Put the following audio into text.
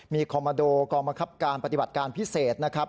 มีคอมมาโดกองบังคับการปฏิบัติการพิเศษนะครับ